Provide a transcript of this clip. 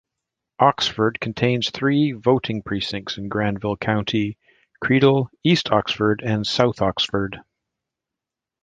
Oxford contains three voting precincts in Granville County: Credle, East Oxford, and South Oxford.